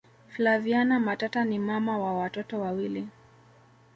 flaviana matata ni mama wa watoto wawilii